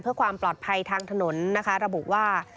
เพื่อความปลอดภัยทางถนนนะคะระบุว่า